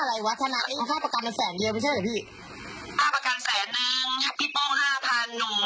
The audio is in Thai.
แล้วให้เงินติดตัวพี่มา๒๕๐๐๐